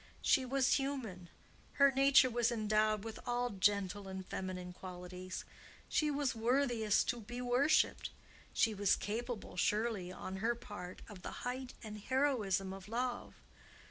She was human; her nature was endowed with all gentle and feminine qualities; she was worthiest to be worshipped; she was capable, surely, on her part, of the height and heroism of love.